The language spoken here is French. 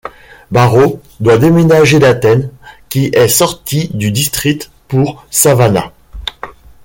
Barrow doit déménager d'Athens, qui est sortie du district, pour Savannah.